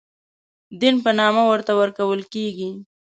دین په نامه ورته ورکول کېږي.